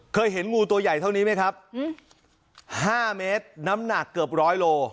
เคยเห็นงูตัวใหญ่เท่านี้ไหมครับ๕เมตรน้ำหนักเกือบร้อยโล